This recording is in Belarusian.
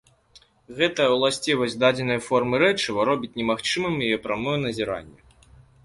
Гэтая ўласцівасць дадзенай формы рэчыва робіць немагчымым яе прамое назіранне.